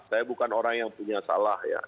saya bukan orang yang punya salah ya